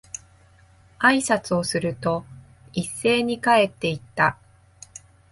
挨拶をすると、一斉に帰って行った。